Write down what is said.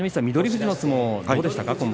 富士の相撲はどうでしたか？